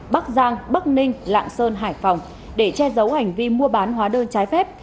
bắc giang bắc ninh lạng sơn hải phòng để che giấu hành vi mua bán hóa đơn trái phép